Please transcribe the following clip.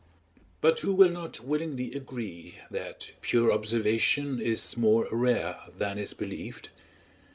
But who will not willingly agree that pure observation is more rare than is believed?